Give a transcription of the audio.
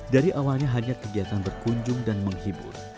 dari awalnya hanya kegiatan berkunjung dan menghibur